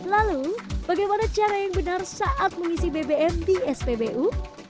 lalu bagaimana cara yang benar saat mengisi bbm di spbu